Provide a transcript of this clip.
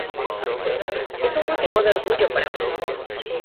Es un motivo de orgullo para mí.